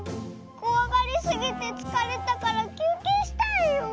こわがりすぎてつかれたからきゅうけいしたいよ。